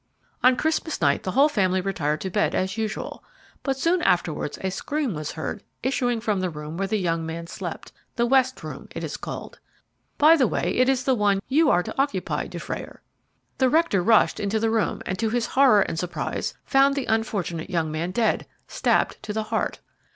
"On Christmas night the whole family retired to bed as usual, but soon afterwards a scream was heard issuing from the room where the young man slept the West Room it is called. By the way, it is the one you are to occupy, Dufrayer. The rector rushed into the room, and, to his horror and surprise, found the unfortunate young man dead, stabbed to the heart.